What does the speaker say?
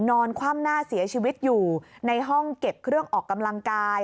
คว่ำหน้าเสียชีวิตอยู่ในห้องเก็บเครื่องออกกำลังกาย